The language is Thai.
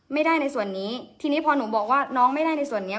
ในส่วนนี้ทีนี้พอหนูบอกว่าน้องไม่ได้ในส่วนนี้